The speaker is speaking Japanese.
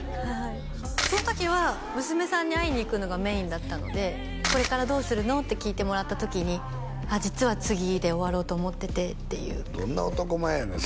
その時は娘さんに会いに行くのがメインだったので「これからどうするの？」って聞いてもらった時に「実は次で終わろうと思ってて」っていうどんな男前やねん